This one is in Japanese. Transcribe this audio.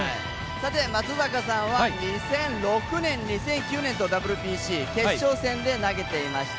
さて、松坂さんは２００６年、２００９年とＷＢＣ決勝戦で投げていました。